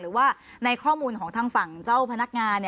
หรือว่าในข้อมูลของทางฝั่งเจ้าพนักงาน